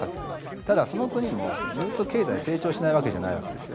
ただその国もずっと経済成長しないわけじゃないわけですよね。